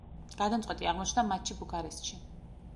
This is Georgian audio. გადამწყვეტი აღმოჩნდა მატჩი ბუქარესტში.